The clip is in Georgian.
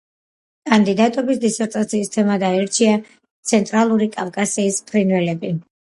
კანდიდატობის დისერტაციის თემად აირჩია „ცენტრალური კავკასიის ფრინველები“.